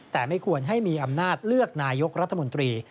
แต่ไม่ควรให้มีอำนาจเลือกนายกรัฐมนตรี